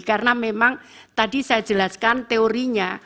karena memang tadi saya jelaskan teorinya